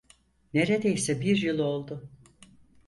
Neredeyse bir yıl oldu.